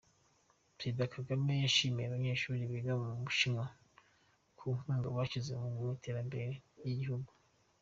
Perezida Kagame yashimiye Abanyeshuri biga mu Bushinwa ku nkunga bashyize mu Muterambere Ryigihugu